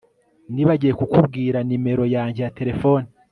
Nibagiwe kukubwira numero yanjye ya terefone